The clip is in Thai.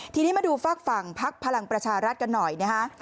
ทีนี้มาดูฝากฝั่งพักพลังประชารัฐกันหน่อยนะฮะ